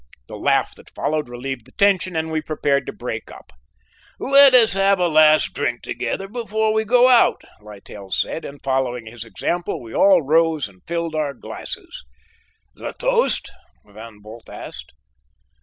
The laugh that followed relieved the tension, and we prepared to break up. "Let us have a last drink together before we go out," Littell said, and following his example, we all rose and filled our glasses. "The toast?" Van Bult asked.